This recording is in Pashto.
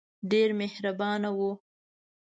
ډېر مهربانه وو.